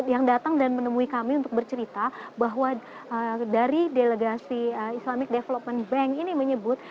yang datang dan menemui kami untuk bercerita bahwa dari delegasi islamic development bank ini menyebut